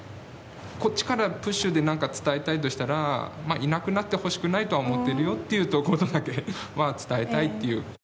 こっちからプッシュで何か伝えたいとしたらいなくなってほしくないと思ってるよということだけ伝えたいっていう。